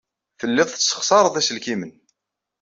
Tellid tessexṣared iselkimen.